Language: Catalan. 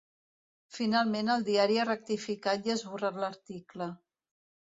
Finalment, el diari ha rectificat i ha esborrat l’article.